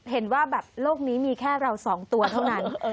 เห็นว่าแบบโลกนี้มีแค่เรา๒ตัวเท่านั้น